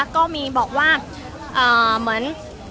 ก็มีบอกว่าเหมือน